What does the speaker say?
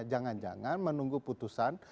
jangan jangan menunggu putusan